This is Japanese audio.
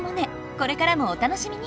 これからもお楽しみに！